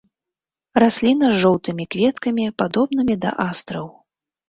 Расліна з жоўтымі кветкамі падобнымі да астраў.